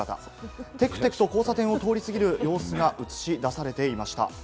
テクテクと交差点を通り過ぎる様子が映し出されていました。